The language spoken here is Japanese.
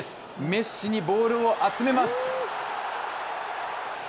メッシにボールを集めます。